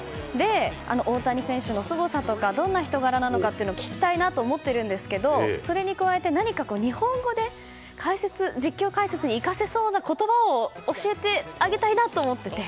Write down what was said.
大谷選手のすごさとかどんな人柄なのかを聞きたいと思っているんですがそれに加えて、何か日本語で、実況解説に生かせそうな言葉を教えてあげたいなと思っていて。